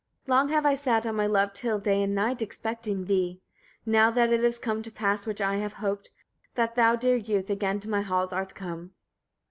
50. Long have I sat on my loved hill, day and night expecting thee. Now that is come to pass which I have hoped, that thou, dear youth, again to my halls art come.